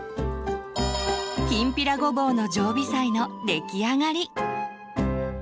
「きんぴらごぼう」の常備菜の出来上がり！